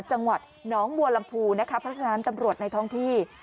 จังหวัดน้องมัวลำพูพัฒนานตำรวจในท่องที่